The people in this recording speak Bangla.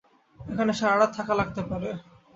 এখানে সারারাত থাকা লাগতে পারে।